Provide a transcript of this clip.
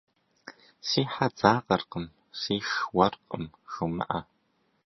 Си хьэ дзакъэркъым, сиш уэркъым жумыӏэ.